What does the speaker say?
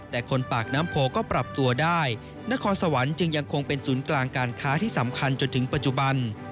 แต่คนปากน้ำโพก็ปรับตัวได้นครสวรรค์จึงยังคงเป็นศูนย์กลางการค้าที่สำคัญจนถึงปัจจุบัน